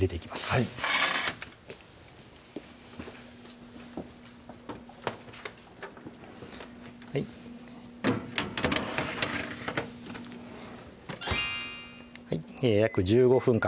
はい約１５分間